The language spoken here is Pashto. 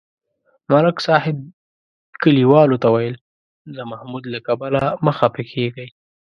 ملک صاحب کلیوالو ته ویل: د محمود له کبله مه خپه کېږئ.